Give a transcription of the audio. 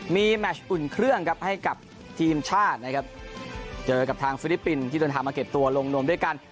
มีแมชอุ่นเครื่องครับให้กับทีมชาตินะครับเจอกับทางฟิลิปปินส์ที่เดินทางมาเก็บตัวลงนวมด้วยกัน